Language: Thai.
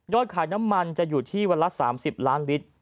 ขายน้ำมันจะอยู่ที่วันละ๓๐ล้านลิตร